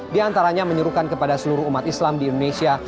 diantaranya menyuruhkan kepada seluruh umat islam di indonesia